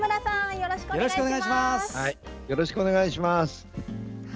よろしくお願いします。